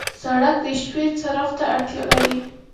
سړک د شپې څراغ ته اړتیا لري.